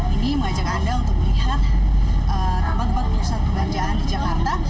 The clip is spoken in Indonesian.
ini mengajak anda untuk melihat tempat tempat pusat perbelanjaan di jakarta